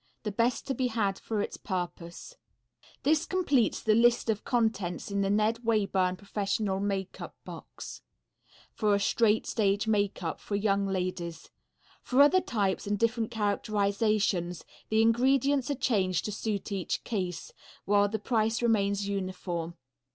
The best to be had for its purpose. [Illustration: MARY EATON] This completes the list of contents in the Ned Wayburn Professional Makeup Box, for a "straight" stage makeup, for young ladies. For other types and different characterizations the ingredients are changed to suit each case, while the price remains uniform.